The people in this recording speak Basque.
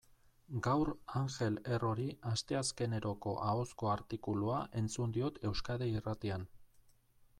Gaur Angel Errori asteazkeneroko ahozko artikulua entzun diot Euskadi Irratian.